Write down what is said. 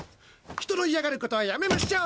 人の嫌がる事はやめましょう。